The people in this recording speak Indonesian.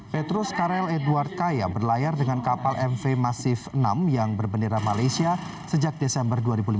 petrus karel edward kaya berlayar dengan kapal mv masif enam yang berbendera malaysia sejak desember dua ribu lima belas